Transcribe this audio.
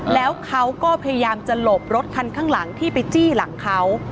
แล้วเขาก็พยายามจะหลบรถคันข้างหลังที่ไปจี้หลังเขา